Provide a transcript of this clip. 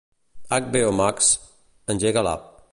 HBO Max; engega l'app.